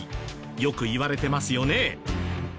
よく言われてますよね。